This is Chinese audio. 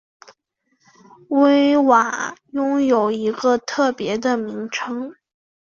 威瓦拥有一个特别的名称。